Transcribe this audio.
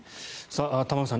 玉川さん